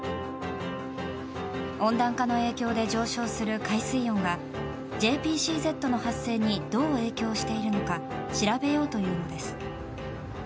温暖化の影響で上昇する海水温がＪＰＣＺの発生にどう影響しているのか調べようというのです。